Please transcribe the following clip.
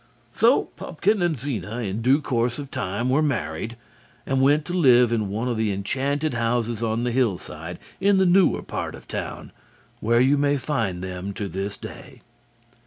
So Pupkin and Zena in due course of time were married, and went to live in one of the enchanted houses on the hillside in the newer part of the town, where you may find them to this day.